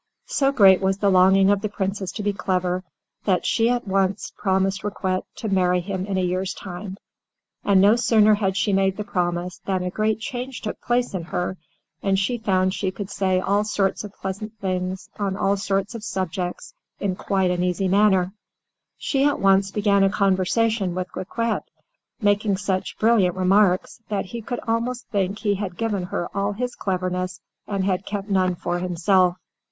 So great was the longing of the Princess to be clever, that she at once promised Riquet to marry him in a year's time, and no sooner had she made the promise than a great change took place in her, and she found she could say all sorts of pleasant things, on all sorts of subjects, in quite an easy manner. She at once began a conversation with Riquet, making such brilliant remarks, that he could almost think he had given her all his cleverness and had kept none for himself.